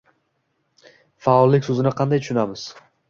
“Faollik” so‘zini qanday tushunamiz?